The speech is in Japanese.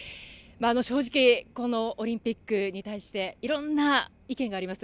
正直このオリンピックに対していろんな意見があります。